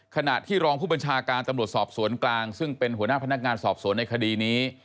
ขณะที่รองผู้บัญชาการตำรวจสอบสวนกลางซึ่งเป็นหัวหน้าพนักงานสอบสวนในคดีนี้